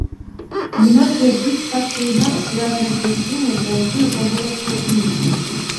Многія з іх так ці інакш звязаны з мясцінамі, пра якія гаворыцца ў кнізе.